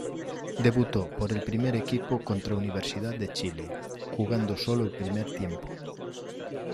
Debutó por el primer equipo contra Universidad de Chile, jugando solo el primer tiempo.